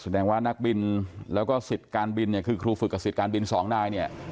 แสดงว่านักบินแล้วก็สิทธิ์การบินเนี่ยคือครูฝึกกับสิทธิ์การบินสองนายเนี่ย